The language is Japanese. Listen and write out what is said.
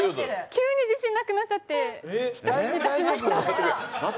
急に自信なくなっちゃって一口足しました。